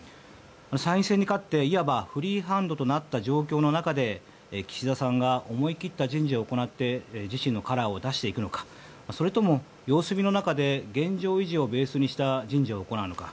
参院選に勝っていわばフリーハンドとなった状況の中で岸田さんが思い切った人事を行って自身のカラーを出していくのかそれとも、様子見の中で現状維持をベースにした人事を行うのか